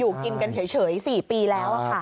อยู่กินกันเฉย๔ปีแล้วค่ะ